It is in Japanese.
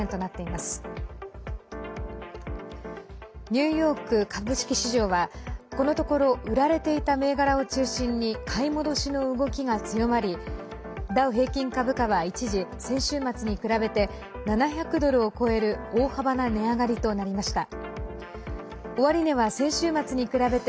ニューヨーク株式市場はこのところ売られていた銘柄を中心に買い戻しの動きが強まりダウ平均株価は一時、先週末に比べて７００ドルを超える大幅な値上がりとなりました。